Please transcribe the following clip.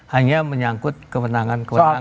hanya menyangkut kewenangan kewenangan